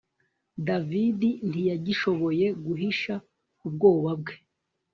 David ntiyagishoboye guhisha ubwoba bwe